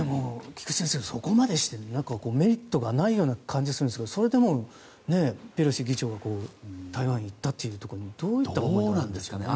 菊地先生、そこまでしてメリットがないような気がするんですがそれでもペロシ議長が台湾に行ったというのはどういった思いが。